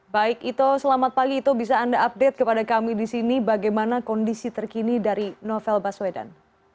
baik ito selamat pagi ito bisa anda update kepada kami di sini bagaimana kondisi terkini dari novel baswedan